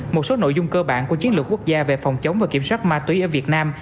một số nội dung cơ bản của chiến lược quốc gia về phòng chống và kiểm soát ma túy ở việt nam